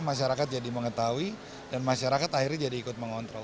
masyarakat jadi mengetahui dan masyarakat akhirnya jadi ikut mengontrol